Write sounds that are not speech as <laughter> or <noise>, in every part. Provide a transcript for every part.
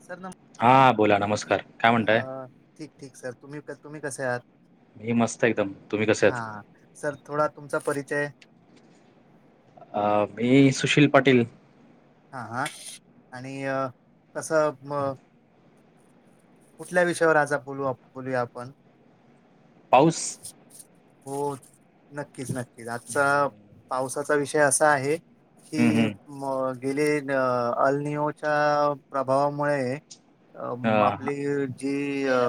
Sir नम हा बोला नमस्कार काय म्हणताय तर तुम्ही कसे आहात मी मस्त एकदम. तुम्ही कसे आहात? हा सर थोडा तुमचा परिचय अ मी सुशील पाटील हा हा आणि कसं म कुठल्या विषयावर आज बोलू बोलूया आपण पाऊस हो नक्कीच नक्कीच आजचा पावसाचा विषय असा आहे हं, कि हं. म गेले अ अलनीओच्या प्रभावामुळे अ आपली जी अ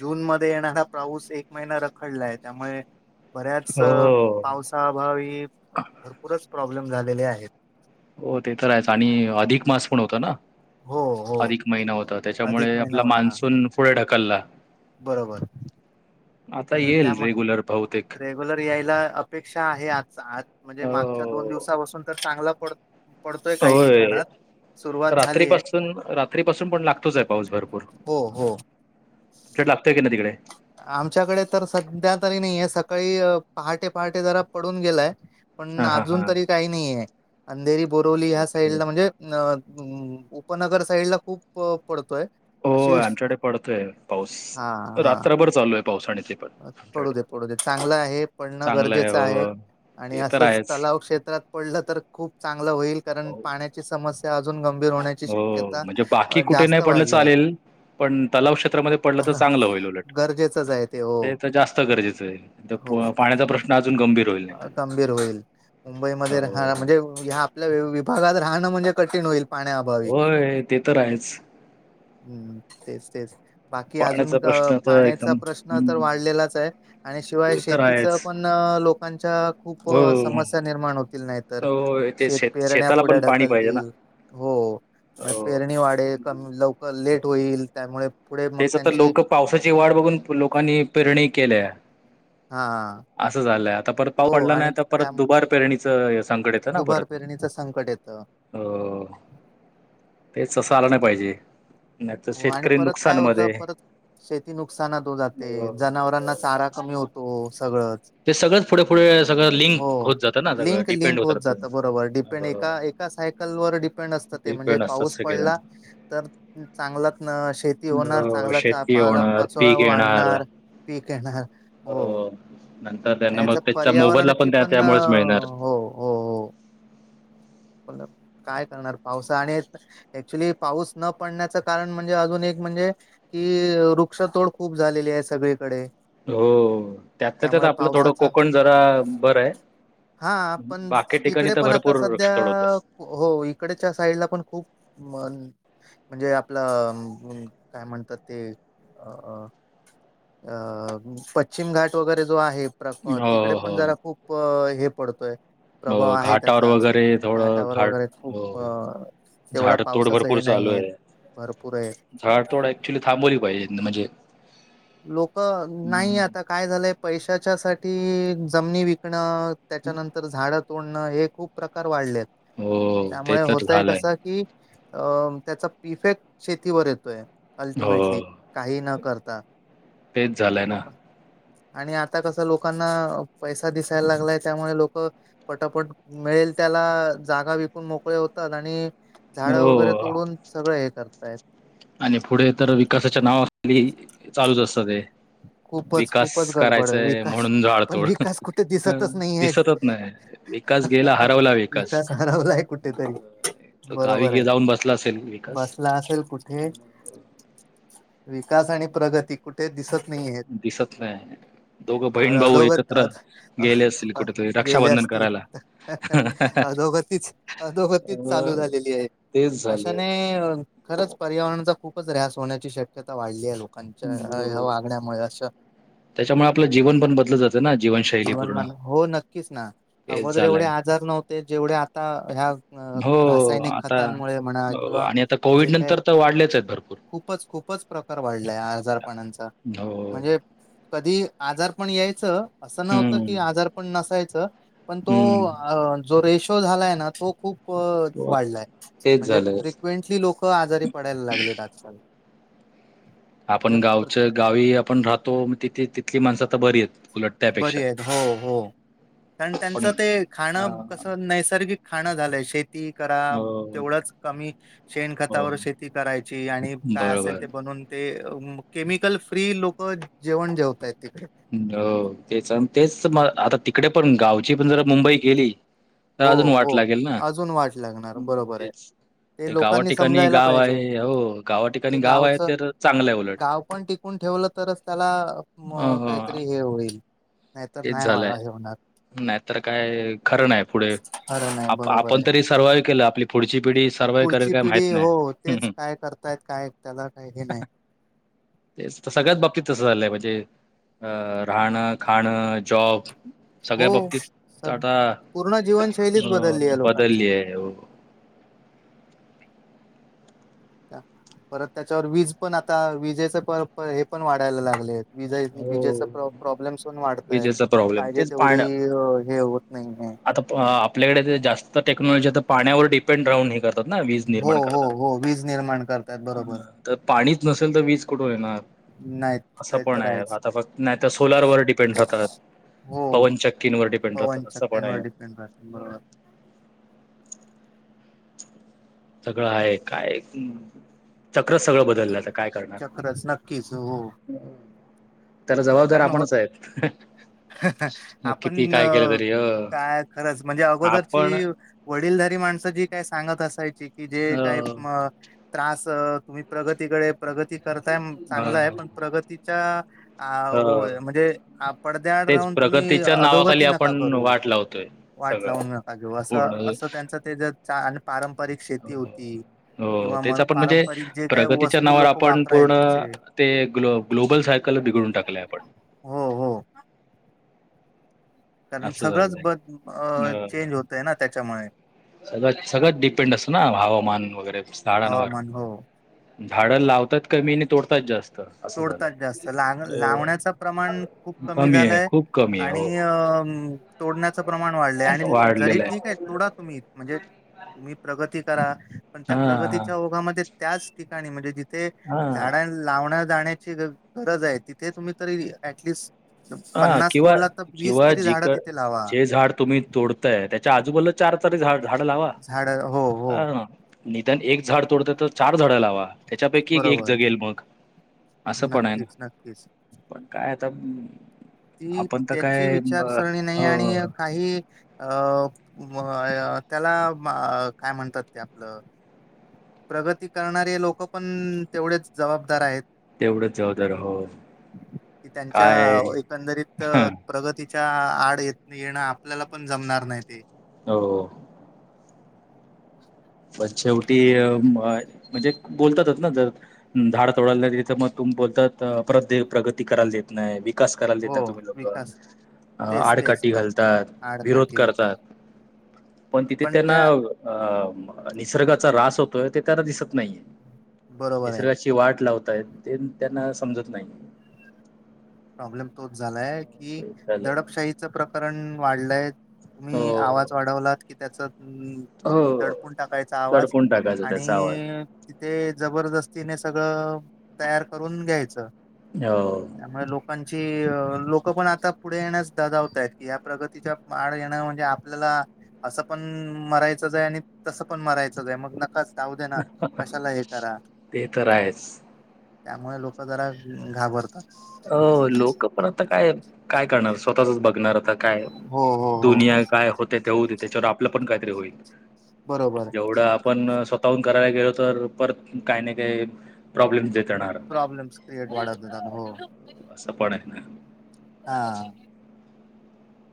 जून मध्ये येणारा पाऊसए महिना रखडलाआय त्यामुळे बऱ्याच हो. पावसाअभावी भरपूरच प्रॉब्लेम झालेले आहेत हो ते तर आहेच आणि अधिक मास पण होत ना हो हो अधिक महिना होता अधिक त्याच्यामुळे महिना आपला होता मान्सून पुढे ढकलला बरोबर आता पण येईल त्याम रेग्युलर पाऊ रेग्युलर यायला अपेक्षा आहे आज आज म्हणजे मागच्या दोन हो. दिवसापासून तर चांगला पड तोय काही होय. ठिकाणात सुरुवात तर झालीय रात्रीपासून रात्रीपसून पण लागतोच आय पाऊस भरपूर हो जे लागते नदीकड आमच्याकड तर सध्या तरी नहीय सकाळी पहाटे पहाटे जरा पडून गेलाय पण हां, हां, अजून हां. तरी काही नईय आहे अंधेरी बोरवली ह्या ओके. साईडला म्हणजे अ हम् उपनगर साईड ला खूप पडतोय हो अशी आमच्याकडे पडतोय पाऊस हा हा रात्रभर चालू अय पडू दे पडू दे चांगलं आहे पडणं चांगलं गरजेचं आहे हो आणि ते तर असंच आहेच. तलाव क्षेत्रात पडलं तर खूप चांगलं होईल कारण पाण्याची समस्या अजून ग हो म्हणजे बाकी कुठे नाही पडलं वाढली आहे चालेल पण तलाव क्षेत्रामध्ये पडलं तर त्याला चांगलं होईल उलट गरजेचंच आहे हो ते तर जास्त गरजेचं हो आहे पाण्याचा प्रश्न अजून गंभीर होईल नाही तर गंभीर होईल मुंबईमध्ये राह हो. म्हणजे ह आपल्या विभागात राह कठीण होई होय ते तर आहेच हम् तेच तेच बाकी अजून पाण्याचा प्रश्न तर पाण्याचा एकदम प्रश्न तर हम्म वाढलेलाच आहे आणि शिवाय ते तर शेतीच आहेच पण लोक खूप हो समस्या निर्माण होतील नाहीत हो ते शेत पेरण्या शेताला पुढे पण पाणी पाहिजे ना ढकलतील हो मग हो. पेरणी वाढेल क हं. लवकर हो. लेट होईल त्यामुळे पुढे मग तेच आता त्यांची लोक पावसाची वाढ बघून लोकांनी पेरणी केल्याय हा असं झालंय आता परत पाऊस हो पडला आणि नाही तर त्या परत दुबार पेरणी ते दुबार पेरणीचं संकट येतं आ नाही े हो आणि शेतकरी परत काय होत नुकसानमध्ये परत शेती नुकसानात हो जाते अ जनावरांना चारा कमी होतो सगळंच ते सगळंच पुढे पुढे सगळं हो लिंक होत जातं ना सगळं लिंक डिपेंड लिंक होत राहतं. जात ब डपें ए अ ए म्हण डिपेंड असतात पाऊ प सगळेजण. चांगलाच शेती होणार अ चांगलाचा शेती पाला होणार, पाचोळा आणणार पीक येणार हो नंतर आणि त्यांना मग याचा त्याच्या मोबाईलला पर्यावरणाची पण त्या अ, त्यामुळेच मिळणार हो, हो, हो. काय करणार पावसा आणि ऍक्च्युली पाऊस न पडण्याचं कारण म्हणजे अजून एक म्हणजे की वृक्षतोड खूप झालेली आहे सगळीकडे हो त्यातलं त्यात त्यामुळे आपलं थोडं पावसाचा कोकण जरा बरं आहे हा पण बाकी ठिकाणी तिकडे तर पण आता भरपूर सध्या वृक्षतोड होते. हो इकडच्या साईडला पण खूप म्हणजे आपला काय म्हणतात ते अ अ पश्चिम घाट वगैरे जो आहे तिकडे हो पण जरा खूप हे पडतोय म प्रभाव आहे घाटावर त्याचा वगैरे थोडं घाटावर घाट वगैरे खूप अ तेवढा झाड तोड पावसाचं भरपूर हे चालू नाहीये आहे भरपूर आहे झाडतोड ऍक्च्युली थांबवली पाहिजे म्हणजे लोक नाही हं. आता काय झालंय पैशाच्या सा जमनी विकणं त्याच्यानंतर झाडं तोडणं हे खूप प्रकार वाढलेत हो ते त्यामुळे तर होतय झालंय कस कि अ त्याचा इिफेक्ट शेतीवर येतोय हो अल्टिमेटली काही न करता तेच झालंय ना लोक आणि आता कसं लोकांना पैसा दिसायला लागलाय त्यामुळे लोक पटापट मिळेल त्या त्याला जागा विकून मोकळे होतात आणि झाड हो वगैरे तोडून सगळं हे करतायत आणि पुढे तर विकासाच्या नावाखाली चालूच असतात ते ह खूपच विकास खूपच गडबड करायचाय विकास म्हणून पण झाडतोड विकास कुठे हं, दिसतच नाही दिसतच नाही विकास गेला आहे हरवला विकास आरवलाय कुठेतरी तो गावी बरोबर गे आहे जाऊन बसला असेल विकास बसला असेल कुठ विकास आणि प्रगती कुठे दिसत नाहीयेत. दिसत नाही आहे. दोघं बहीण भाऊ अधोगत एकत्र अध अ गेले असतील अ- कुठेतरी गेले रक्षाबंधन असतील. करायला. अधोगतीच अधोगतीच अ, चालू झालेली आहे. तेच झालंय. अशाने खरंच पर्यावरणाचा. खूपच र्यास होण्याची शक्यता वाढली आहे लोकांच्या हो. अच्छा! त्याच्यामुळे आपलं जीवन पण बदल जातं. ना जीवनशैली पूर्ण जीवनमान हो नक्कीच ना. तेच अगोदरे एवढे झालंय. आजार नव्हते जेवढ्या आता ह्या हो रासायनिक आता खतांमुळे म्हणा हो किंवा आणि आता कोविड जे काय नंतर तर वाढलेच आहेत भरपूर. खूपच खूपच प्रकार वाढलाय आजारपणाचा हो. म्हणजे कधी आजार पण यायचं. असं नव्हतं हम्म. की आजार पण नसायच पण तो हम्म. जोे. रेशो झालाय ना तो खूप. खूप हो, वाढलाय तेच म्हणजे झालंय. फ्रिक्वेंटली लोक आजारी पडायला लागलेत आजकाल. आपण म्हणजे प्र- गावच गावी आपण राहतो तिथे तिथली माणसं आता बरी आहेत. उलट बरी त्यापेक्षा. आहेत हो हो कारण पण त्यांचं ते अ, खाणं कस नैसर्गिक खां झालंय शेती शेती करा हो. तेवढच कमी शेण खतावर हो. शेती करायची आणि काय असेल बरोबर. ते बन ते केमिकल फ्री लोक जेवण जेवतायत. तिकडे हो तेच, तेच आता तिकडे पण गावची पण जर मुंबई गेली. तर हो अजून हो वाट लागेल ना अजून वाट लागणार बरोबर आहे. तेच. ते गावा लोकांनी ठिकाणी समजायला गाव पाहिजे आहे हो गावा ठिकाणी ते गाव आहे गावचं तर चांगलंय उलट. गाव पण टिकून ठेवलं तरच त्याला हां, हां. काहीतरी हे होईल. नाहीतर तेच नाही झालंय वा- हे होणार नाही तर काय खरं नाही पुढे. खरं नाही बरोबर आपण आहे तरी सर्वाव्ह केलं आपली पुढची पिढी सर्वाव्ह करेल पुढची काय पिढी माहित नाही. हो तेच काय करतायत काय त्याला काही हे नाही. तेच सगळ्याच बाबतीत तसं झालंय म्हणजे अ राहणं, खाणं, जॉब हो सगळ्या बाबतीत सग आता पूर्ण जीवनशैलीच बदलली आहे अं लोकांची बदलली आहे. <inaudible> परत त्याच्यावर वीज पण आता विजेचे प हे पण वाढायला लागले आहेत. विज विजेचा हो. प्रॉब्लेमस वाढतयत विजेचा प्रॉब्लेम पाहिजे तेच तेवढी पाण्या हे. नाहीये आता आपल्याकडे जास्त टेक्नॉलॉजी आता पाण्यावर ग्रे पेंट डाऊन हे करतात ना वीज हो, निर्माण हो, करतात हो. वीज निर्माण करतायत बरोबर. त पाणीच नसेल तर विज. वीज कुठून येणार नाही असं ते पण तर आहे आहेच. आता फक्त नाही सोलार व डिपेंड राहतात. पवन चक्कींवर डिपेंड राहतात त. डीपेंड राहत बरोबर. सगळं आहे काय. चक्रच सगळं बदललंच काय करणार. चक्रच नक्कीच हो. त्याला जबाबदार कारण होत आपणच आहेत. किती आपण काय केलं तरी अ काय खरच म्हणजे आपण अगोदरची वडीलधारी माणसं जी का सांगत असायची की जे अ काही त्रास तुम्ही प्रगतीकडे प्रगती करताय अ चांगलं आहे पण प्रगतीच्या आ अ होय म्हणजे पडद्याड तेच राहून तुम्ही प्रगतीच्या नावाखाली अधोगती नका आपण करू. वाट लावतोय वाट सगळं. लावू नका घे असं पूर्ण असं त्यांच ते जे पारंपारिक शेती होती. हो किंवा तेच मग आपण म्हणजे पारंपरिक जे काही प्रगतीच्या वस्तू नावावर लोक आपण पूर्ण वापरायचे ते गो ग्लोबल सायकल बिघडून. टाकलं आपण. हो हो कारण असं सगळंच झालंय. ब चेंज होतय ना त्याच्यामुळे सगळ सगळत डिपेंड असतो ना हवामान वगैरे झाडांवर. हवामान हो झाडं लावतात कमी आणि तोडतात जास्त. असं तोडतात झालंय. जास्त ला अ लावण्याच प्रमाण खूप कमी आहे झालंय खूप कमी आणि आहे हम तोडण्याचं प्रमाण वाढलंय आणि हो जरी वाढलेलं ठीक आहे तोडा तुम्ही म्हणजे तुम्ही प्रगती करा. पण त्या हा प्रगतीच्या ओघामध्ये त्याच ठिकाणी म्हणजे जिथे हा झाडां लावण्या जाण्याची गरज आहे तिथे तुम्ही तरी ॲट लिस्ट हा किंवा किंवा जिक झाडं तिथे लावा जे झाड तुम्ही तोडताय त्याच्या आजूबाजूला चार तरी झाडं लावा. झाड हो हो ह निधान एक झाड तोडत तर चार झाड लावा त्याच्यापैकी एक बरोबर जगेल मग असं पण आहे ना. नक्कीच नक्कीच पण काय आता ती आपण तर त्याची काय ब विचारसरणी नाही आणि हो. काही अ त्याला काय म्हणतात ते आपलं प्रगती करणारे लोक पण तेवढेच जबाबदार आहेत. तेवढंच जबाबदार हो. कि त्यांच्या काय एकंदरीत प्रगती च्या आड येत येणं आपल्याला पण जमणार नाही ते हो. <unintelligible> पण शेवटी म्हणजे बोलतातच ना जर झाड तोडायला त तर मग तुम बोलत परत प्रगती करायला देत नाही विकास करायला हो देतता तुम्ही लोक विकास तेच तेच आडकाठी घालतात विरोध आडकाठी होते करतात. पण तिथे त्यांना निसर्गाचा रास होतोय ते त्यांना दिसत <unintelligible> बरोबर आहे. निसर्गाची वाट लावताय ते त्यांना समजत नाहीे प्रॉब्लेम तोच झालाय कि ते झालंय दडपशाहीचं प्रकरण वाढलंय तुम्ही हो आवाज वाढवलात कि त्याच ् हो दडपून टाकायचा आवाज दडपून टाकायचा आणि त्याचा आवाज तिथे जबरदस्त तिने सगळं तयार करून घ्यायचं हो. त्यामुळे लोकांची कि लोक पण आता पुढे येण्यास ददावतय की या्या प्रगतीचा माड येण म्हणजे आपल्याला असं पण मरायचंच आहे आणि तसं पण मरायचंच आहे मग नकाच जाऊ दे्या ना कशाला हे करा ते तर आहेच त्यामुळे लोक जरा घाबरतात. अ लोक पण आता काय काय करणार स्वतःचच बघणार आ काय हो हो हो हो दुनिया काय होते त्याच्यावर आपलं पण काहीतरी होईल बरोबर आहे. जेवढं आपण करायला गेलो तर परत काही नाही काय प्रॉब्लेम् देत येणार प्रॉब्लेम्स क्रिएट वाढत होता हो असं पण आहे ना हा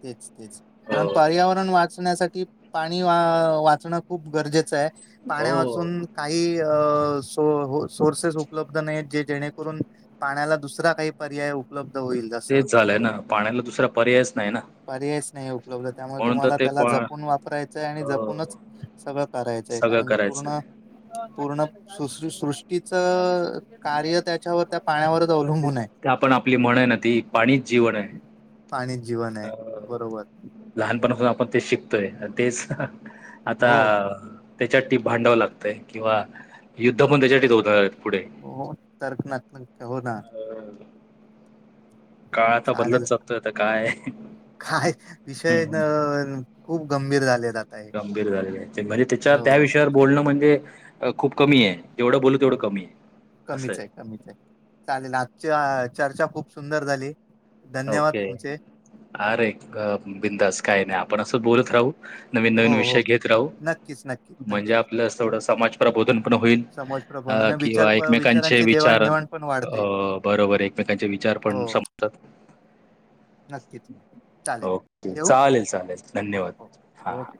तेच तेच पण हो पर्यावरण वाचण्यासाठी पाणी वा वाचणं खूप गरजेचं आहे पाण्या हो. वाचून काही अ सोर्सेस उपलब्ध नाही जे जेणेकरून पाण्याला दुसरा काही पर्याय उपलब्ध होईल जसं तेच झालंय ना पाण्याला दुसरा पर्यायच नाही ना परधय स्नेहू <unintelligible> वलं त्यामुळे म्हणून तर तुम्हाला ते प त्याला जपून वापरायचंय आणि अ जपूनच सगळं करायचंय सगळं कारण करायचं. पूर्ण पूर्ण सृष्टीच कार्य त्याच्यावर त्या पाण्यावर आपण आपली म्हण ना ती पाणीच जीवन आहे पाणी जीवन आहे बरोबर लहानपणापासून मग ते शिकतोय तेच आता हो त्याच्यासाठी भांडावं लागतंय किंवा युद्ध पण त्याच्यासाठीच होत आहेत. पुढे. हो तर्क न हो ना काळ आता बदलत चालेल चालतोयता काय. काय विषय खूप गंभीर झाले आता हे गंभीर झालेले म्हणजे त्याच्या त्या हो विषयावर बोलणं म्हणजे खूप कमी आहे. जेवढं बोलू तेवढं कमी आहे असं कमीच आहे कमीच आहे चालेल आजच्या चर्चा खूप सुंदर झाली धन्यवाद ओके तुमचे अरे बिंदास काय नाही आपण असं बोलत राहू नवीन नवीन हो हो विषय घेत राहू नक्कीच नक्कीच म्हणजे नक्कीच आपलं असं एवढं समाज प्रबोधन पण होईल समज अ प्रबोधन विचार किंवा प- एकमेकांचे विचारांची विचार अ देवाणघेवाण पण वाढते बरोबर एकमेकांचे विचार हो पण समजतात नक्कीच चालेल ओके ठेवू चालेल चालेल हो धन्यवाद हो हा ओके ह